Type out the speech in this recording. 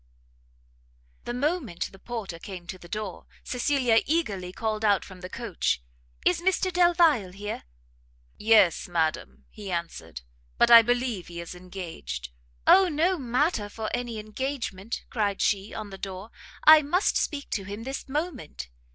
The moment the porter came to the door, Cecilia eagerly called out from the coach, "Is Mr Delvile here?" "Yes, madam," he answered, "but I believe he is engaged." "Oh no matter for any engagement!" cried she, "on the door, I must speak to him this moment!"